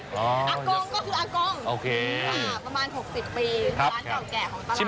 ก็คืออากองประมาณ๖๐ปี